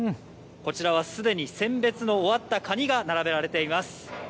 こちらはすでに選別の終わったカニが並べられています。